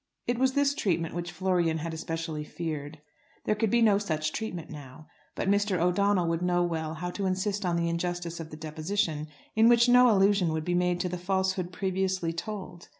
It was this treatment which Florian had especially feared. There could be no such treatment now; but Mr. O'Donnell would know well how to insist on the injustice of the deposition, in which no allusion would be made to the falsehood previously told.